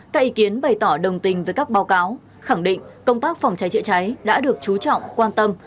các ý kiến bày tỏ đồng tình với các báo cáo khẳng định công tác phòng cháy chữa cháy đã được chú trọng quan tâm